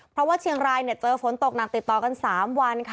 เพราะว่าเชียงรายเนี่ยเจอฝนตกหนักติดต่อกัน๓วันค่ะ